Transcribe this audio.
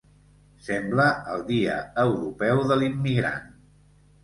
Sembla el dia europeu de l'immigrant.